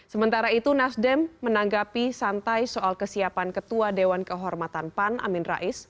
sementara itu nasdem menanggapi santai soal kesiapan ketua dewan kehormatan pan amin rais